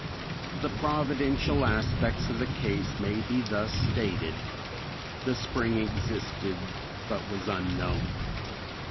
The providential aspects of the case may be thus stated; the spring existed, but was unknown.